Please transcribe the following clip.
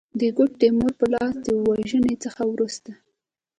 د ګوډ تیمور په لاس د وژني څخه وروسته.